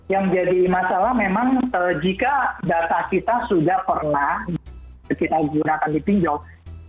yang jadi masalah memang jika data kita sudah pernah kita gunakan di pinjol